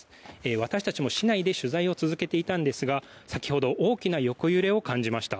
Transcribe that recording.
私たちも市内で取材を続けていたんですが先ほど大きな横揺れを感じました。